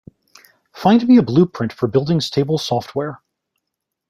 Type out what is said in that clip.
Find me a blueprint for building stable software.